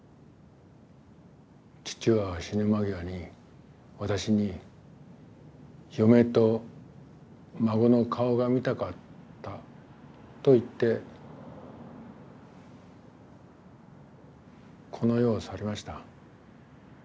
父は死ぬ間際に私に「嫁と孫の顔が見たかった」と言ってこの世を去りました。